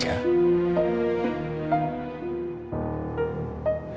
nggak ada apa apa